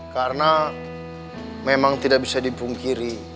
karena memang tidak bisa dipungkiri